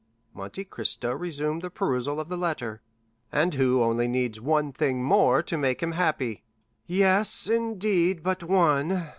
Monte Cristo resumed the perusal of the letter: "'And who only needs one thing more to make him happy.'" "Yes, indeed but one!"